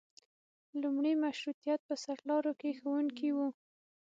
لومړي مشروطیت په سرلارو کې ښوونکي وو.